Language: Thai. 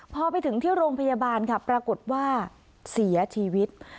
พอไปถึงที่โรงพยาบาลค่ะปรากฏว่าเสียชีวิต